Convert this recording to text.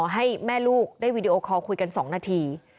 ให้แม่ลูกได้วีดีโอคอลคุยกัน๒นาที